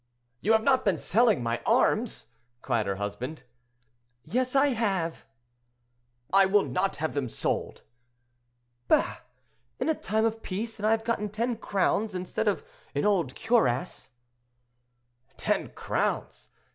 "You have not been selling my arms?" cried her husband. "Yes, I have." "I will not have them sold." "Bah! in time of peace; and I have got ten crowns instead of an old cuirass." "Ten crowns!